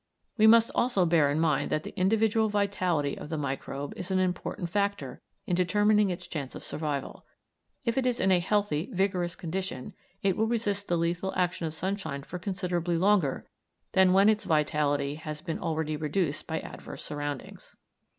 We must also bear in mind that the individual vitality of the microbe is an important factor in determining its chance of survival; if it is in a healthy, vigorous condition, it will resist the lethal action of sunshine for considerably longer than when its vitality has been already reduced by adverse surroundings.